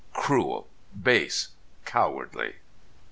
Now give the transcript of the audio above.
Cruel base cowardly!